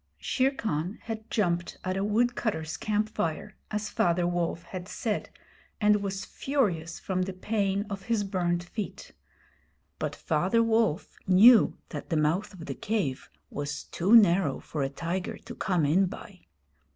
Shere Khan had jumped at a woodcutters' camp fire, as Father Wolf had said, and was furious from the pain of his burned feet. But Father Wolf knew that the mouth of the cave was too narrow for a tiger to come in by.